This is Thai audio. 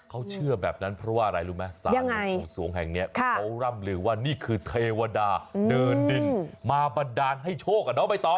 เขาเชื่อแบบนั้นเพราะว่าอะไรรู้ไหมศาลวงสวงแห่งนี้เขาร่ำลือว่านี่คือเทวดาเดินดินมาบันดาลให้โชคกับน้องใบตอง